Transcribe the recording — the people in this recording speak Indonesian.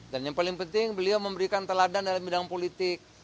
dan yang paling penting beliau memberikan teladan dalam bidang politik